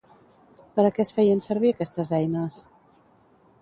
Per a què es feien servir aquestes eines?